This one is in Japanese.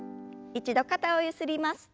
一度肩をゆすります。